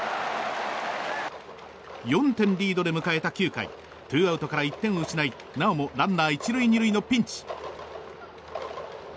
４点リードで迎えた９回ツーアウトから１点を失いなおもランナー１塁２塁のピンチ。